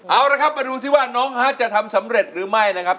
เอาละครับมาดูซิว่าน้องฮาร์ดจะทำสำเร็จหรือไม่นะครับ